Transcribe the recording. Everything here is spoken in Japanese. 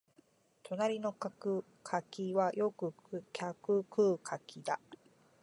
隣の柿はよく客食う柿だ